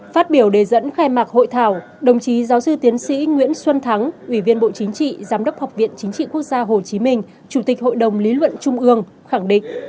phát biểu đề dẫn khai mạc hội thảo đồng chí giáo sư tiến sĩ nguyễn xuân thắng ủy viên bộ chính trị giám đốc học viện chính trị quốc gia hồ chí minh chủ tịch hội đồng lý luận trung ương khẳng định